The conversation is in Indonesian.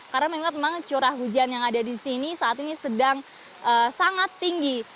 karena memang curah hujan yang ada di sini saat ini sedang sangat tinggi